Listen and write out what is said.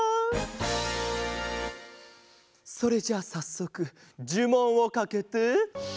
それじゃあさっそくじゅもんをかけて。